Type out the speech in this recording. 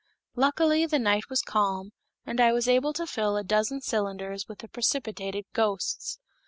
Luckily the night was calm, and I was enabled to fill a dozen cylinders with the precipitated ghosts.